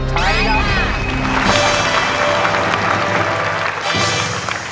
เยี่ยมมาก